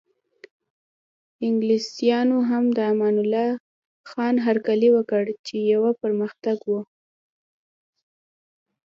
انګلیسانو هم د امان الله خان هرکلی وکړ چې یو پرمختګ و.